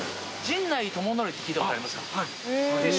陣内智則って聞いたことありますか？